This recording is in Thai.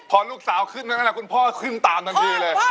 พอลูกสาวขึ้นทั้งนั้นคุณพ่อขึ้นตามทันทีเลย